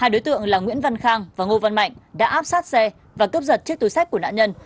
hai đối tượng là nguyễn văn khang và ngô văn mạnh đã áp sát xe và cướp giật chiếc túi sách của nạn nhân